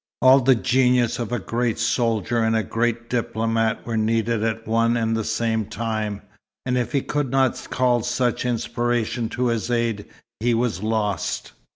All the genius of a great soldier and a great diplomat were needed at one and the same time, and if he could not call such inspiration to his aid he was lost.